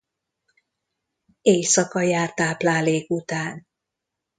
Éjszaka jár táplálék után.